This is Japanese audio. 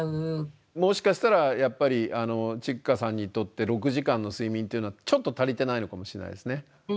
もしかしたらやっぱりｃｈｉｋｋａさんにとって６時間の睡眠っていうのはちょっと足りてないのかもしれないですね。